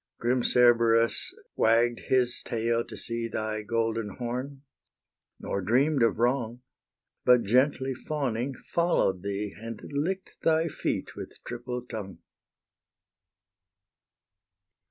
Grim Cerberus wagg'd his tail to see Thy golden horn, nor dream'd of wrong, But gently fawning, follow'd thee, And lick'd thy feet with triple tongue.